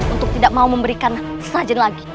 untuk tidak mau memberikan sajen lagi